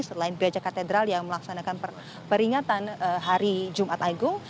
selain gereja katedral yang melaksanakan peringatan hari jumat agung